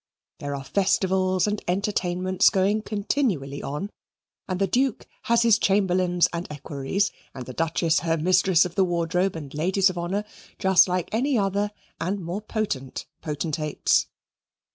There are festivals and entertainments going continually on, and the Duke has his chamberlains and equerries, and the Duchess her mistress of the wardrobe and ladies of honour, just like any other and more potent potentates.